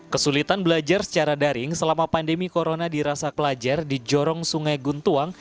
kesulitan belajar secara daring selama pandemi corona dirasa pelajar di jorong sungai guntuang